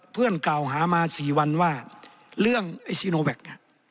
เพื่อนกล่าวหามา๔วันว่าเรื่องไอ้ซีโนแวคเนี่ย